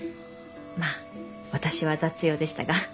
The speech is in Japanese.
まあ私は雑用でしたが。